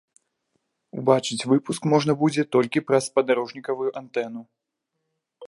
Убачыць выпуск можна будзе толькі праз спадарожнікавую антэну.